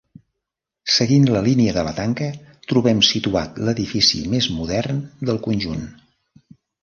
Seguint la línia de la tanca trobem situat l'edifici més modern del conjunt.